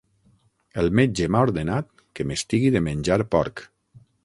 El metge m'ha ordenat que m'estigui de menjar porc.